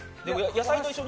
野菜と一緒に？